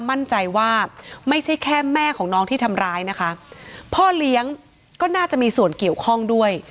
มั่นใจว่าไม่ใช่แค่แม่ของน้องที่ทำร้ายนะคะพ่อเลี้ยงก็น่าจะมีส่วนเกี่ยวข้องด้วย